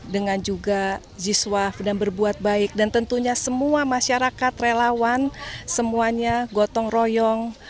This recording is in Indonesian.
dengan juga ziswaf dan berbuat baik dan tentunya semua masyarakat relawan semuanya gotong royong